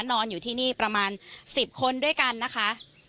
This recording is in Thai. นอนอยู่ที่นี่ประมาณ๑๐คนด้วยกันนะคะ